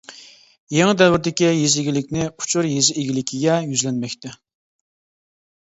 يېڭى دەۋردىكى يېزا ئىگىلىكنى ئۇچۇر يېزا ئىگىلىكىگە يۈزلەنمەكتە.